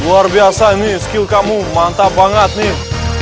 luar biasa ini skill kamu mantap banget nih